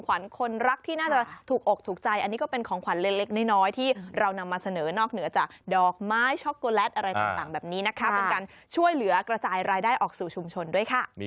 ขวัญคนรักที่น่าจะถูกอกถูกใจอันนี้ก็เป็นของขวัญเล็กน้อยที่เรานำมาเสนอนอกเหนือจากดอกไม้ช็อกโกแลตอะไรต่างแบบนี้นะคะเป็นการช่วยเหลือกระจายรายได้ออกสู่ชุมชนด้วยค่ะ